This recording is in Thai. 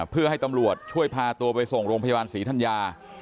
เพื่อให้ตำรวจช่วยพาตัวไปส่งโรงพยาบาลศรีธัญญา